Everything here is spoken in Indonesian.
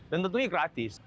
dan tentunya gratis